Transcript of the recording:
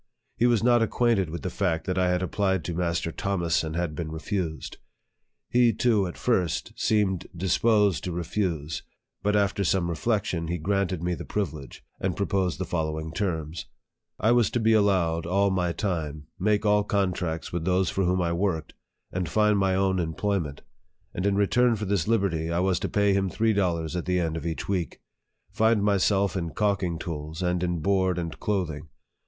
He was not acquainted with the fact that I had applied to Mas ter Thomas, and had been refused. He too, at first, seemed disposed to refuse ; but, after some reflection, he granted me the privilege, and proposed the follow ing terms : I was to be allowed all my time, make all contracts with those for whom I worked, and find my own employment ; and, in return for this liberty, I was to pay him three dollars at the end of each week ; find myself in calking tools, and in board and clothing.